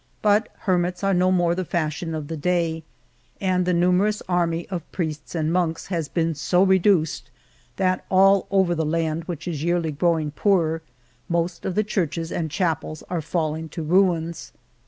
But her mits are no more the fashion of the day, and the nu merous army of priests and monks has been so re duced that all over the land, which is yearly growing poorer, most of the churches and chapels are fall ing to ruins.